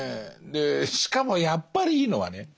でしかもやっぱりいいのはね